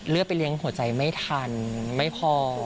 ไปเลี้ยงหัวใจไม่ทันไม่พอ